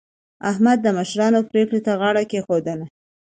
احمد د مشرانو پرېکړې ته غاړه کېښودله.